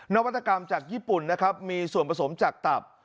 นวัตกรรมจากญี่ปุ่นนะครับมีส่วนผสมจากตับ